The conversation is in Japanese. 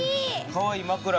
かわいいまくら。